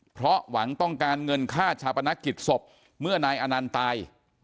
เพราะหวังต้องการเงินค่าชาปนกิจศพเมื่อนายอนันต์ตาย